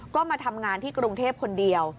ก็มาทำงานที่กรุงเทพคนเดียว